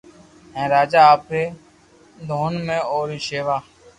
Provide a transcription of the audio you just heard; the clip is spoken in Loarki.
ھين راجا آپري دوھن ۾ اوري ݾيوا